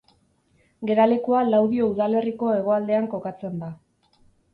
Geralekua Laudio udalerriko hegoaldean kokatzen da.